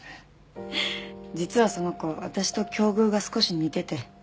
実はその子私と境遇が少し似てて。